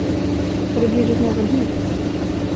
Har du bjudit någon hit?